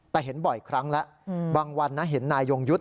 แต่เห็นบ่อยครั้งแล้วบางวันนะเห็นนายยงยุทธ์